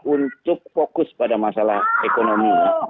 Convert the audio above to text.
untuk fokus pada masalah ekonomi